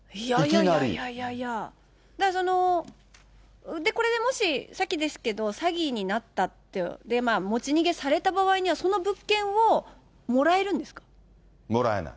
いやいやいやいや、で、これでもし詐欺ですけど、詐欺になったって持ち逃げされた場合には、もらえない。